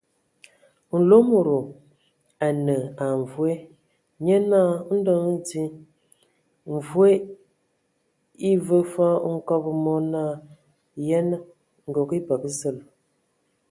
Nlomodo a nəa mvoe, nye naa : ndɔ hm di. Mvoe e vəə fɔɔ hkobo mɔ naa : Yənə, ngog. E bəgə zəl !